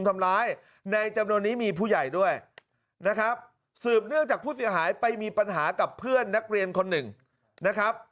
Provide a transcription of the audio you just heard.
มีผู้ใหญ่ด้วยนะครับสืบเนื่องจากผู้เสียหายไปมีปัญหากับเพื่อนนักเรียนคนหนึ่งนะครับ